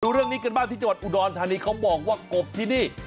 เรื่องนี้กันบ้างที่จังหวัดอุดรธานีเขาบอกว่ากบที่นี่